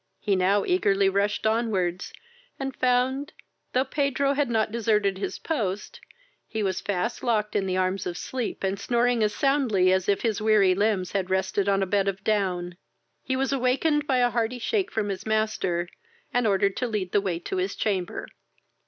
He now eagerly rushed on wards, and found, thought Pedro had not deserted his post, he was fast locked in the arms of sleep, and snoring as soundly as if his weary limbs had rested on a bed of down. He was awakened by a hearty shake from his master, and ordered to lead the way to his chamber.